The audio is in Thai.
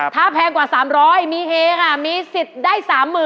ถ้าแพงกว่า๓๐๐มีเฮค่ะมีสิทธิ์ได้๓๐๐๐